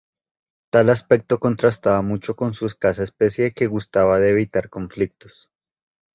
Tal aspecto contrastaba mucho con su escasa especie que gustaba de evitar conflictos.